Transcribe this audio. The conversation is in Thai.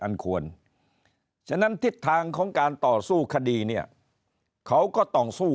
อันควรฉะนั้นทิศทางของการต่อสู้คดีเนี่ยเขาก็ต้องสู้